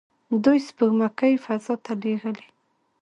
دوی سپوږمکۍ فضا ته لیږلي.